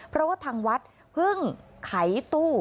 เพราะว่าทางวัดเพิ่งไขตู้